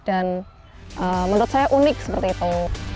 dan menurut saya unik seperti itu